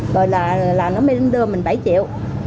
rồi là nó mới đưa mình bảy triệu